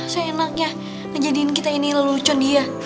seenaknya ngejadikan kita ini lelucon iya